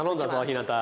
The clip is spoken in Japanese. ひなた！